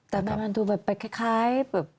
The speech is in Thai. แต่มันดูแบบคล้าย